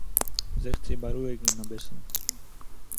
זיך צו בארואיגן אביסל